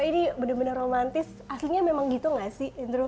ini benar benar romantis aslinya memang gitu gak sih andrew